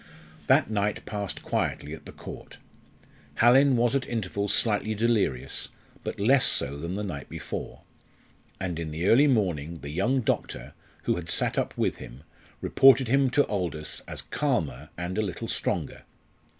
That night passed quietly at the Court. Hallin was at intervals slightly delirious, but less so than the night before; and in the early morning the young doctor, who had sat up with him, reported him to Aldous as calmer and a little stronger.